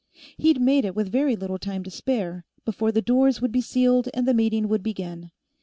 He'd made it with very little time to spare, before the doors would be sealed and the meeting would begin.